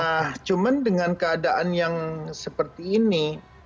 nah cuma dengan keadaan yang seperti ini